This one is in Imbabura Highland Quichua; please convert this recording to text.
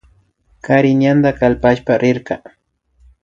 Kari ñanda kalpashpa rirka